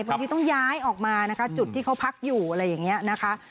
บางทีต้องย้ายออกมานะคะจุดที่เขาพักอยู่อะไรอย่างนี้นะคะ